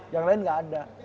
yang lain nggak ada